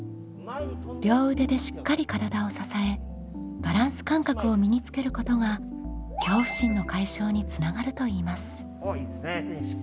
両腕でしっかり体を支えバランス感覚を身につけることが恐怖心の解消につながるといいます。